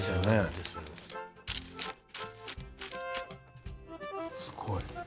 すごい！